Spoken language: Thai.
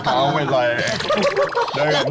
อืมอืมอืมอืมอืม